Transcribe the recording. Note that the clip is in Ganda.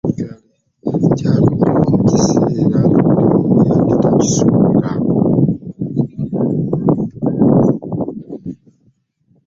Kyaguddewo mu kiseera nga buli omu wabadde takisuubira.